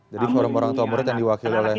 jadi forum orang tua murid yang diwakil oleh